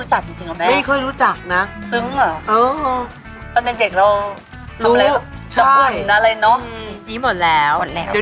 หมดแล้วเสร็จแล้วด้วย